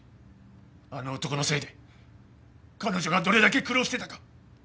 あの男のせいで彼女がどれだけ苦労してたか。